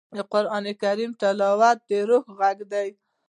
د قرآن تلاوت د روح غږ دی.